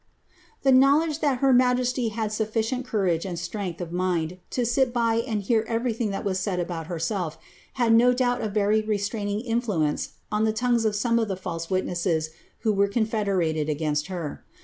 ' >w ledge that her majesty had sufiicient courage and strength sit by and hear everything that was said about herself, had very restraining influence on the tongues of some of the false vho were confederated against her.